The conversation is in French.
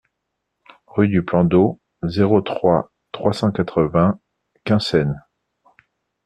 Rue du Plan d'Eau, zéro trois, trois cent quatre-vingts Quinssaines